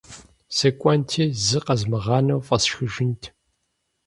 Сыкӏуэнти зы къэзмыгъанэу фӏэсшхыжынт.